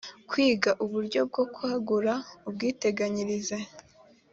kwiga uburyo bwo kwagura ubwiteganyirize